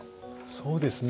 そうですね